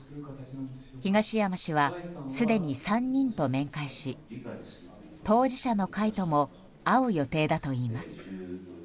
東山氏は、すでに３人と面会し当事者の会とも会う予定だといいます。